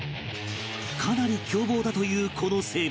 かなり凶暴だというこの生物